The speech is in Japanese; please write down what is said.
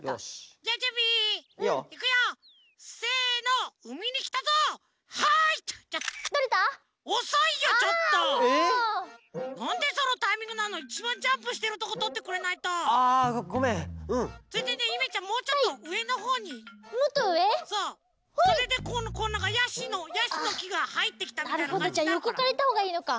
じゃよこからいったほうがいいのか。